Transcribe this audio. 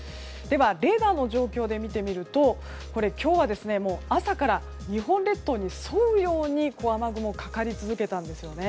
レーダーの状況で見てみると今日は、朝から日本列島に沿うように雨雲がかかり続けたんです。